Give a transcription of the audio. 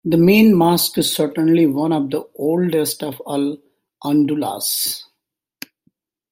The main mosque is certainly one of the oldest of Al-Andalus.